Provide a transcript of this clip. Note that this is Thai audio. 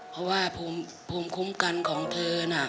เพราะว่าภูมิคุ้มกันของเธอน่ะ